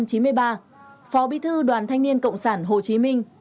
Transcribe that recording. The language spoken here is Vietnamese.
phó bí thư đoàn thanh niên cộng sản hồ chí minh